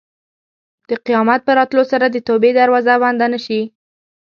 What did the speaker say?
د قیامت په راتلو سره د توبې دروازه بنده نه شي.